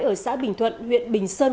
ở xã bình thuận huyện bình sơn